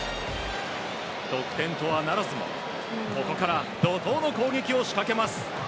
得点とはならずもここから怒涛の攻撃を仕掛けます。